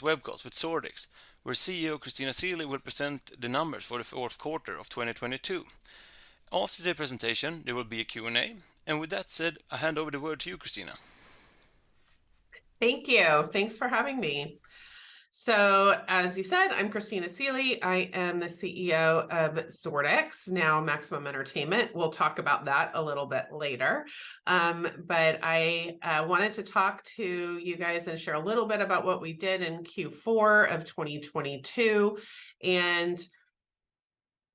web course with Zordix, where CEO Christina Seelye will present the numbers for the fourth quarter of 2022. After the presentation, there will be a Q&A. With that said, I hand over the word to you, Christina. Thank you. Thanks for having me. As you said, I'm Christina Seelye. I am the CEO of Zordix, now Maximum Entertainment. We'll talk about that a little bit later. I wanted to talk to you guys and share a little bit about what we did in Q4 of 2022.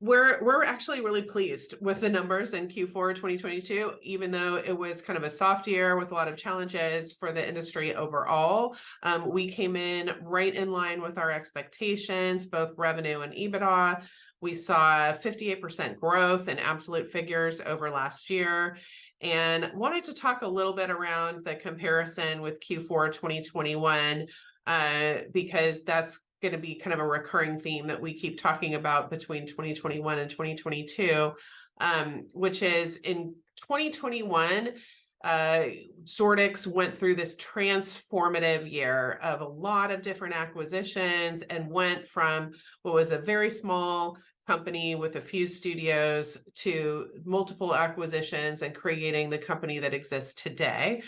We're actually really pleased with the numbers in Q4 of 2022, even though it was kind of a soft year with a lot of challenges for the industry overall. We came in right in line with our expectations, both revenue and EBITDA. We saw 58% growth in absolute figures over last year. Wanted to talk a little bit around the comparison with Q4 2021, because that's gonna be kind of a recurring theme that we keep talking about between 2021 and 2022, which is in 2021, Zordix went through this transformative year of a lot of different acquisitions and went from what was a very small company with a few studios to multiple acquisitions and creating the company that exists today.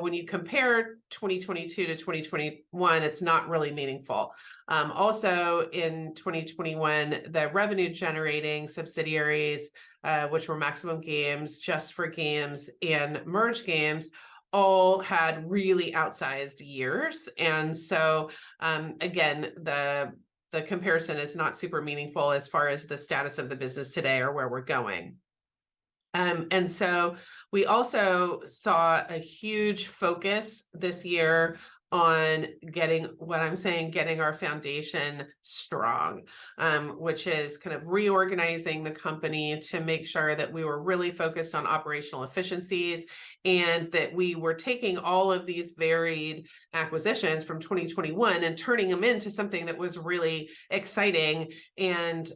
When you compare 2022 to 2021, it's not really meaningful. Also in 2021, the revenue-generating subsidiaries, which were Maximum Games, Just For Games, and Merge Games, all had really outsized years. Again, the comparison is not super meaningful as far as the status of the business today or where we're going. We also saw a huge focus this year on getting our foundation strong, which is kind of reorganizing the company to make sure that we were really focused on operational efficiencies and that we were taking all of these varied acquisitions from 2021 and turning them into something that was really exciting and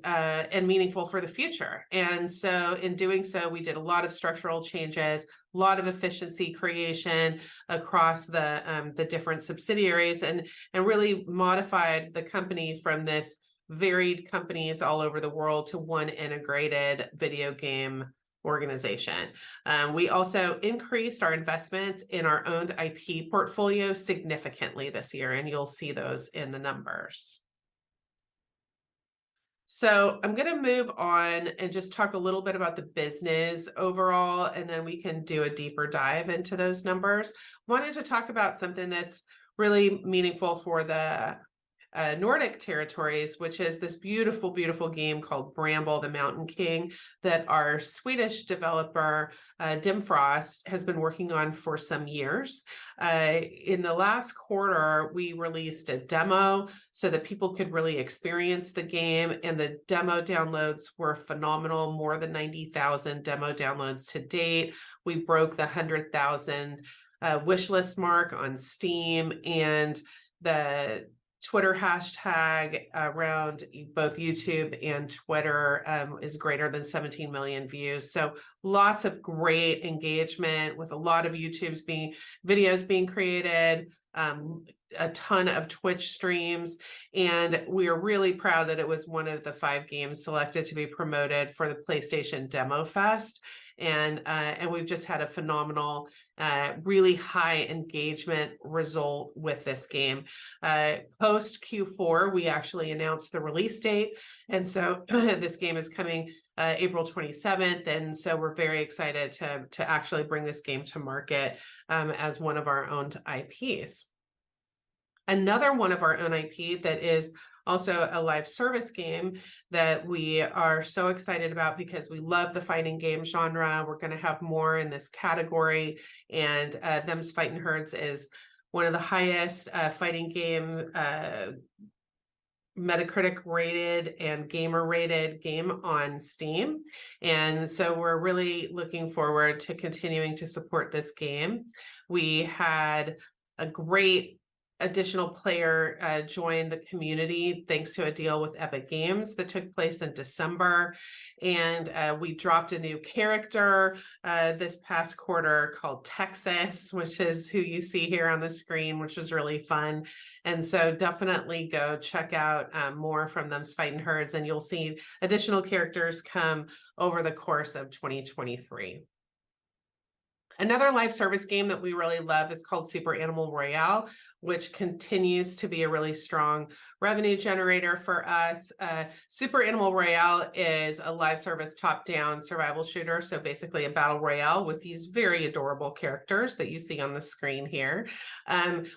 meaningful for the future. In doing so, we did a lot of structural changes, lot of efficiency creation across the different subsidiaries, and really modified the company from this varied companies all over the world to one integrated video game organization. We also increased our investments in our owned IP portfolio significantly this year, and you'll see those in the numbers. I'm gonna move on and just talk a little bit about the business overall, and then we can do a deeper dive into those numbers. Wanted to talk about something that's really meaningful for the Nordic territories, which is this beautiful game called Bramble: The Mountain King that our Swedish developer, Dimfrost, has been working on for some years. In the last quarter, we released a demo so that people could really experience the game, and the demo downloads were phenomenal, more than 90,000 demo downloads to date. We broke the 100,000 wish list mark on Steam, and the Twitter hashtag around both YouTube and Twitter is greater than 17 million views. Lots of great engagement with a lot of YouTube videos being created, a ton of Twitch streams, and we are really proud that it was one of the five games selected to be promoted for the PlayStation Demo Fest. And we've just had a phenomenal, really high engagement result with this game. Post Q4, we actually announced the release date, this game is coming April 27th, we're very excited to actually bring this game to market as one of our owned IPs. Another one of our own IP that is also a live service game that we are so excited about because we love the fighting game genre, we're gonna have more in this category, Them's Fightin' Herds is one of the highest fighting game Metacritic-rated and gamer-rated game on Steam. We're really looking forward to continuing to support this game. We had a great additional player join the community, thanks to a deal with Epic Games that took place in December. We dropped a new character this past quarter called Texas, which is who you see here on the screen, which is really fun. Definitely go check out more from Them's Fightin' Herds, and you'll see additional characters come over the course of 2023. Another live-service game that we really love is called Super Animal Royale, which continues to be a really strong revenue generator for us. Super Animal Royale is a live-service top-down survival shooter, so basically a battle royale with these very adorable characters that you see on the screen here.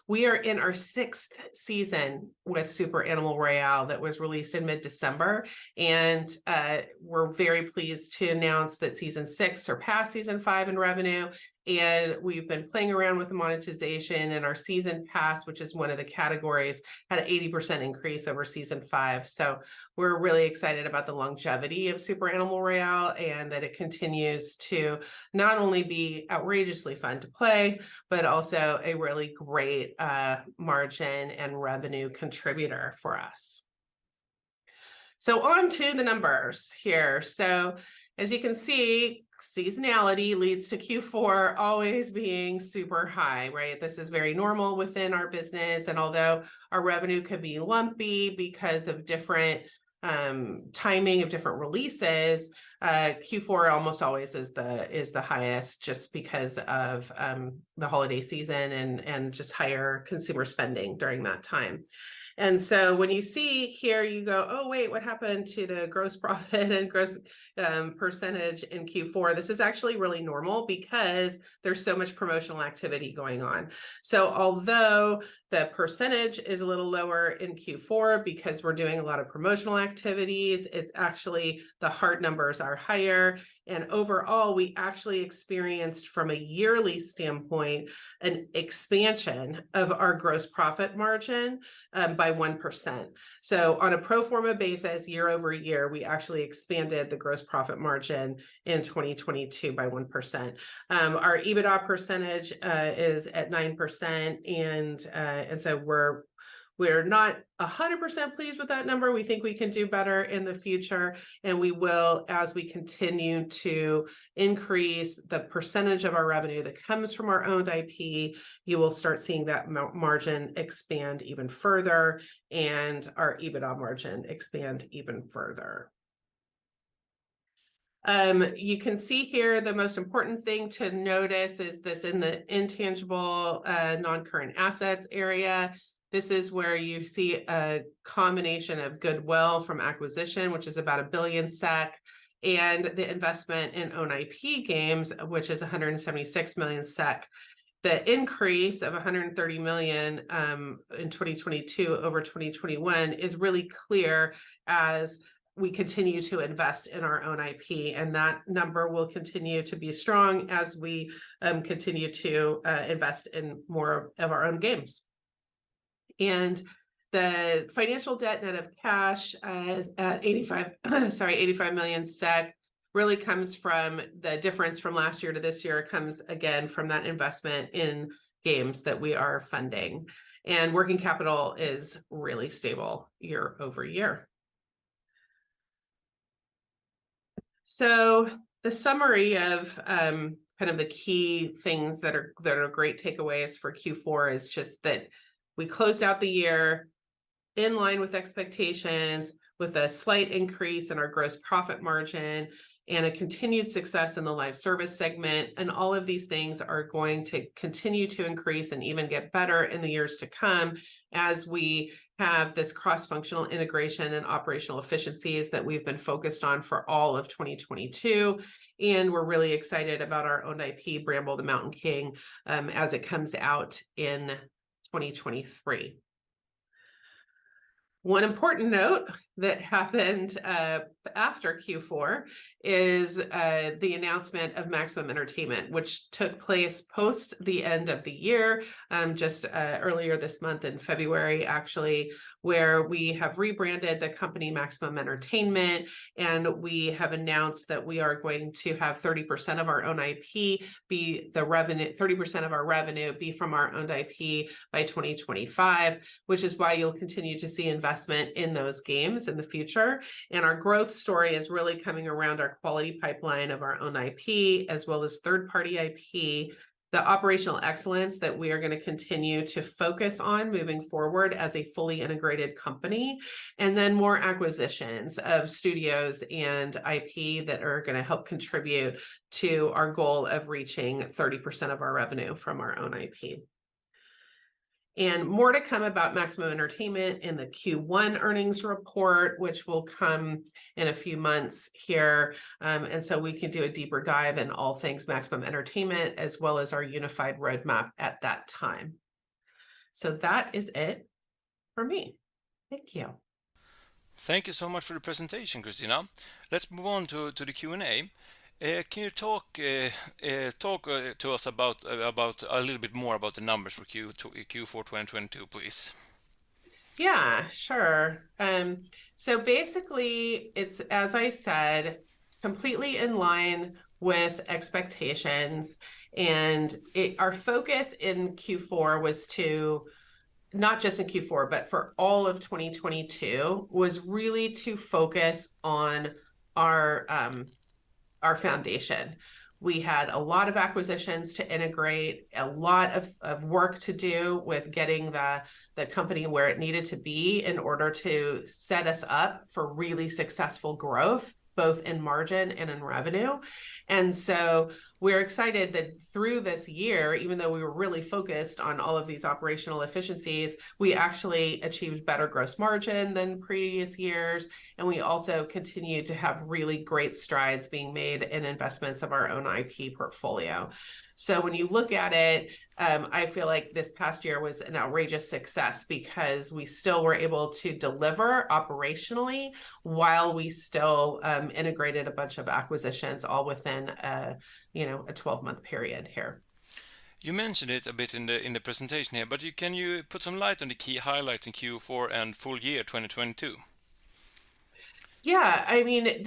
We are in our sixth season with Super Animal Royale that was released in mid-December, and we're very pleased to announce that season six surpassed season five in revenue. We've been playing around with the monetization, and our season pass, which is one of the categories, had a 80% increase over season five. We're really excited about the longevity of Super Animal Royale, and that it continues to not only be outrageously fun to play, but also a really great margin and revenue contributor for us. On to the numbers here. As you can see, seasonality leads to Q4 always being super high, right? This is very normal within our business, and although our revenue could be lumpy because of different timing of different releases, Q4 almost always is the highest just because of the holiday season and just higher consumer spending during that time. When you see here, you go, "Oh, wait, what happened to the gross profit and gross percentage in Q4?" This is actually really normal because there's so much promotional activity going on. Although the percentage is a little lower in Q4 because we're doing a lot of promotional activities, it's actually the hard numbers are higher. Overall, we actually experienced from a yearly standpoint an expansion of our gross profit margin by 1%. On a pro forma basis YoY, we actually expanded the gross profit margin in 2022 by 1%. Our EBITDA percentage is at 9% and so we're not 100% pleased with that number. We think we can do better in the future, and we will as we continue to increase the percentage of our revenue that comes from our owned IP. You will start seeing that margin expand even further and our EBITDA margin expand even further. You can see here the most important thing to notice is this in the intangible non-current assets area, this is where you see a combination of goodwill from acquisition, which is about 1 billion SEK, and the investment in owned IP games, which is 176 million SEK. The increase of 130 million in 2022 over 2021 is really clear as we continue to invest in our own IP. That number will continue to be strong as we continue to invest in more of our own games. The financial debt net of cash is at, sorry, 85 million, really comes from the difference from last year to this year. It comes again from that investment in games that we are funding. Working capital is really stable YoY. The summary of kind of the key things that are great takeaways for Q4 is just that we closed out the year in line with expectations with a slight increase in our gross profit margin and a continued success in the live service segment. All of these things are going to continue to increase and even get better in the years to come as we have this cross-functional integration and operational efficiencies that we've been focused on for all of 2022, and we're really excited about our owned IP, Bramble: The Mountain King, as it comes out in 2023. One important note that happened after Q4 is the announcement of Maximum Entertainment, which took place post the end of the year, earlier this month in February, actually, where we have rebranded the company Maximum Entertainment and we have announced that we are going to have 30% of our revenue be from our owned IP by 2025, which is why you'll continue to see investment in those games in the future. Our growth story is really coming around our quality pipeline of our own IP as well as third-party IP, the operational excellence that we are gonna continue to focus on moving forward as a fully integrated company, and then more acquisitions of studios and IP that are gonna help contribute to our goal of reaching 30% of our revenue from our own IP. More to come about Maximum Entertainment in the Q1 earnings report, which will come in a few months here, and so we can do a deeper dive in all things Maximum Entertainment as well as our unified roadmap at that time. That is it for me. Thank you. Thank you so much for the presentation, Christina. Let's move on to the Q&A. Can you talk to us about a little bit more about the numbers for Q4 2022, please? Yeah, sure. Basically it's, as I said, completely in line with expectations, our focus in Q4 was to, not just in Q4, but for all of 2022, was really to focus on our foundation. We had a lot of acquisitions to integrate, a lot of work to do with getting the company where it needed to be in order to set us up for really successful growth, both in margin and in revenue. We're excited that through this year, even though we were really focused on all of these operational efficiencies, we actually achieved better gross margin than previous years, and we also continued to have really great strides being made in investments of our own IP portfolio. When you look at it, I feel like this past year was an outrageous success because we still were able to deliver operationally while we still integrated a bunch of acquisitions all within a, you know, a 12-month period here. You mentioned it a bit in the, in the presentation here, but can you put some light on the key highlights in Q4 and full year 2022? Yeah. I mean,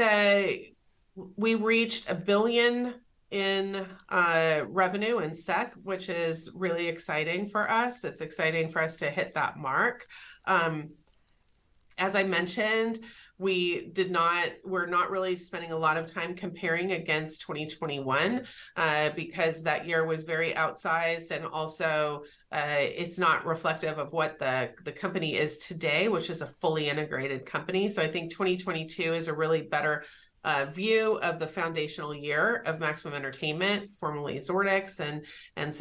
we reached 1 billion in revenue, which is really exciting for us. It's exciting for us to hit that mark. As I mentioned, we're not really spending a lot of time comparing against 2021 because that year was very outsized, also, it's not reflective of what the company is today, which is a fully integrated company. I think 2022 is a really better view of the foundational year of Maximum Entertainment, formerly Zordix.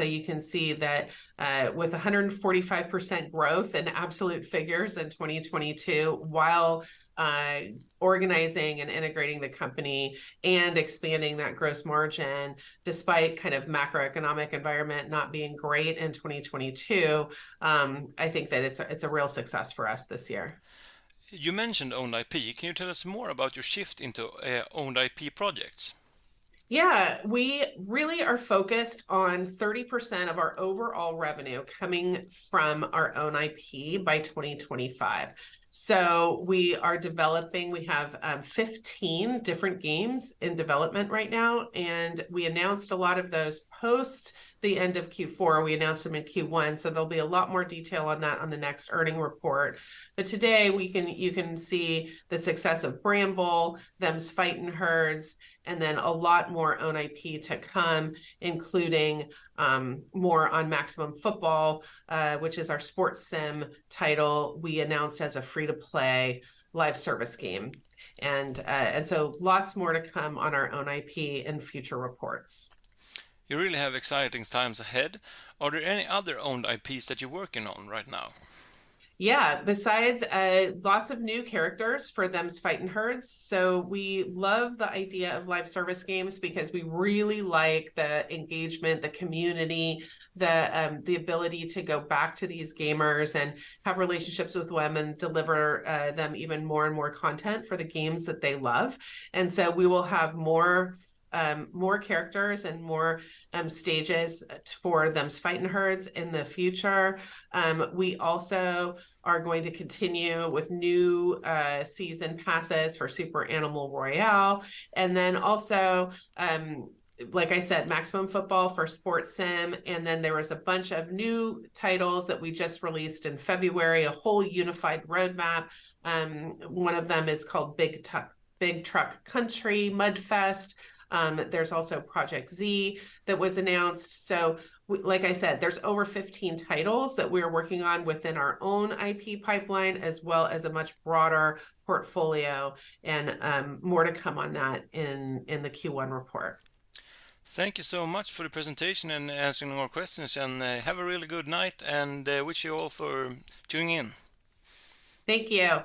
You can see that with 145% growth in absolute figures in 2022 while organizing and integrating the company and expanding that gross margin despite kind of macroeconomic environment not being great in 2022, I think that it's a real success for us this year. You mentioned owned IP. Can you tell us more about your shift into owned IP projects? Yeah. We really are focused on 30% of our overall revenue coming from our own IP by 2025. We have 15 different games in development right now, and we announced a lot of those post the end of Q4. We announced them in Q1, there'll be a lot more detail on that on the next earnings report. Today, you can see the success of Bramble, Them's Fightin' Herds, and then a lot more owned IP to come, including more on Maximum Football, which is our sports sim title we announced as a free-to-play live service game. Lots more to come on our own IP in future reports. You really have exciting times ahead. Are there any other owned IPs that you're working on right now? Yeah. Besides, lots of new characters for Them's Fightin' Herds. We love the idea of live service games because we really like the engagement, the community, the ability to go back to these gamers and have relationships with them and deliver them even more and more content for the games that they love. We will have more characters and more stages towards Them's Fightin' Herds in the future. We also are going to continue with new season passes for Super Animal Royale, and then also, like I said, Maximum Football for sports sim. There was a bunch of new titles that we just released in February, a whole unified roadmap. One of them is called Big Truck Country: Mudfest. There's also Projekt Z that was announced. Like I said, there's over 15 titles that we're working on within our own IP pipeline as well as a much broader portfolio and, more to come on that in the Q1 report. Thank you so much for the presentation and answering more questions, and, have a really good night and, wish you all for tuning in. Thank you.